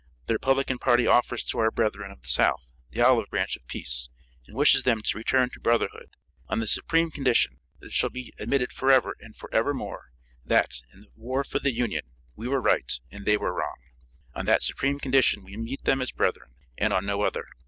The Republican party offers to our brethren of the South the olive branch of peace, and wishes them to return to brotherhood, on this supreme condition, that it shall be admitted forever and forevermore, that, in the war for the Union, we were right and they were wrong. On that supreme condition we meet them as brethren, and on no other.